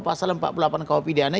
pasal empat puluh delapan kwp diana